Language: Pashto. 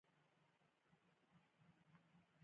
که زه وزګار وای، زه به هم درسره تللی وای.